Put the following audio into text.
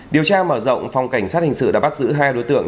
điều tra mở rộng phòng cảnh sát hình sự đã bắt giữ hai đối tượng